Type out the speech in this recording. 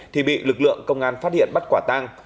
thì bị lực lượng công an phát hiện bắt quả tang